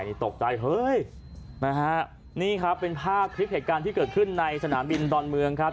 นี่ตกใจเฮ้ยนะฮะนี่ครับเป็นภาพคลิปเหตุการณ์ที่เกิดขึ้นในสนามบินดอนเมืองครับ